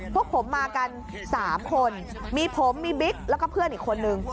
พวกผมมากัน๓คนมีผมมีบิ๊กแล้วก็เพื่อนอีกคนนึง